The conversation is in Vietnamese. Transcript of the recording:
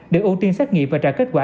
để ưu tiên xét nghiệm và trả kết quả